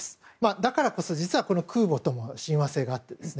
だからこそ実は、この空母とも親和性があってですね。